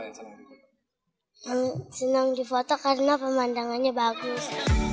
senang di foto karena pemandangannya bagus